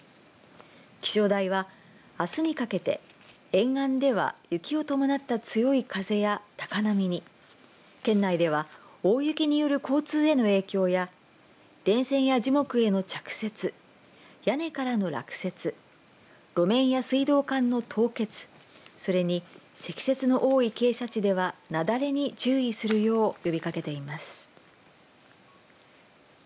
気象台は、あすにかけて沿岸では雪を伴った強い風や高波に、県内では大雪による交通への影響や電線や樹木への着雪屋根からの落雪路面や水道管の凍結それに積雪の多い傾斜地ではなだれに注意するよう呼びかけています。